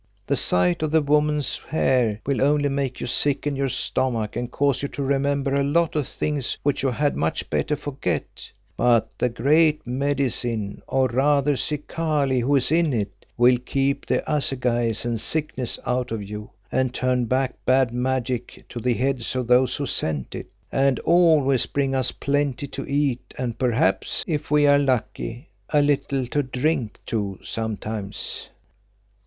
The sight of the woman's hair will only make you sick in your stomach and cause you to remember a lot of things which you had much better forget, but the Great Medicine, or rather Zikali who is in it, will keep the assegais and sickness out of you and turn back bad magic on to the heads of those who sent it, and always bring us plenty to eat and perhaps, if we are lucky, a little to drink too sometimes."